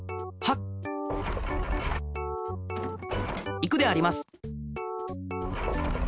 いくであります。